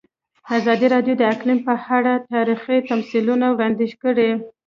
ازادي راډیو د اقلیم په اړه تاریخي تمثیلونه وړاندې کړي.